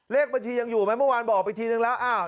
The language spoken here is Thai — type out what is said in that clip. เลขบัญชียังอยู่ไหมเมื่อวานบอกไปทีนึงแล้ว